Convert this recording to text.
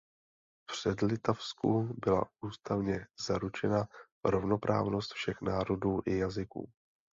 V Předlitavsku byla ústavně zaručena rovnoprávnost všech národů i jazyků.